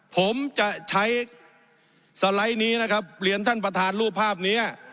ผมจะใช้สไลด์นี้นะครับเรียนท่านประธานรูปภาพนี้